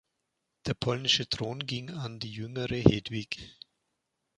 Der polnische Thron ging an die jüngere Hedwig.